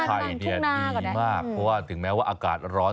เพราะว่าถึงแม้ว่าอากาศร้อน